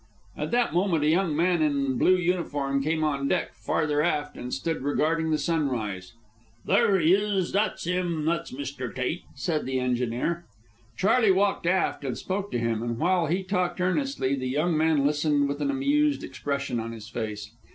At that moment a young man in blue uniform came on deck farther aft and stood regarding the sunrise. "There he is, that's him, that's Mr. Tate," said the engineer. Charley walked aft and spoke to him, and while he talked earnestly the young man listened with an amused expression on his face.